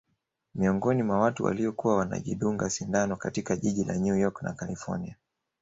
Miongoni mwa watu waliokuwa wanajidunga sindano katika jiji la New York na kalifornia